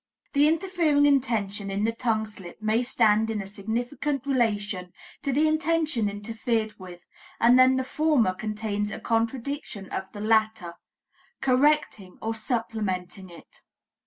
The interfering intention in the tongue slip may stand in a significant relation to the intention interfered with, and then the former contains a contradiction of the latter, correcting or supplementing it.